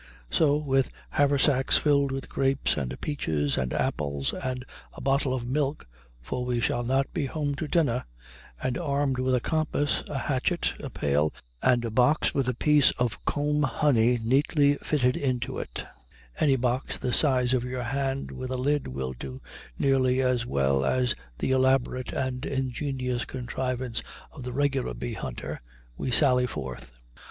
So, with haversacks filled with grapes and peaches and apples and a bottle of milk, for we shall not be home to dinner, and armed with a compass, a hatchet, a pail, and a box with a piece of comb honey neatly fitted into it, any box the size of your hand with a lid will do nearly as well as the elaborate and ingenious contrivance of the regular bee hunter, we sally forth.